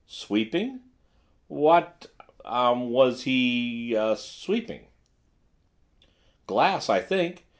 "Sweeping? What—er—was he—er—sweeping?" "Glass, I think.